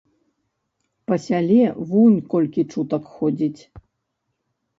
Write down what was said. Па сяле вунь колькі чутак ходзіць.